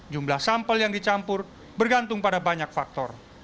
jumlah sampel yang dicampur bergantung pada banyak faktor